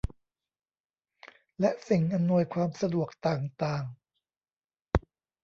และสิ่งอำนวยความสะดวกต่างต่าง